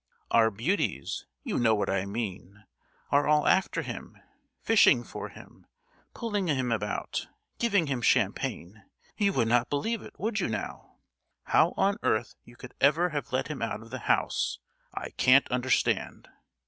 Our 'beauties,' you know what I mean! are all after him, fishing for him, pulling him about, giving him champagne—you would not believe it! would you now? How on earth you could ever have let him out of the house, I can't understand!